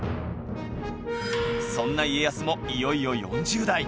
そんな家康もいよいよ４０代